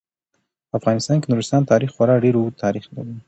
په افغانستان کې د نورستان تاریخ خورا ډیر اوږد تاریخ دی.